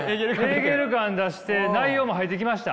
ヘーゲル感出して内容も入ってきました？